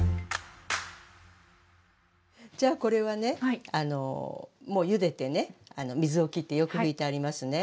じゃあこれはねもうゆでてね水をきってよく拭いてありますね。